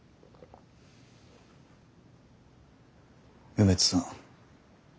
梅津さん